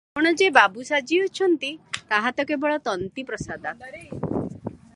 ଆପଣ ଯେ ବାବୁ ସାଜିଅଛନ୍ତି, ତାହା ତ କେବଳ ତନ୍ତୀ ପ୍ରସାଦାତ୍ ।